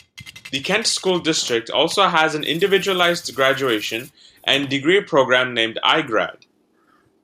The Kent School District also has an individualized graduation and degree program named iGrad.